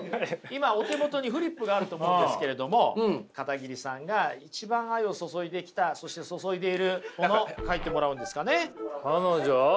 今お手元にフリップがあると思うんですけれども片桐さんが一番愛を注いできたそして注いでいるもの書いてもらうんですかね。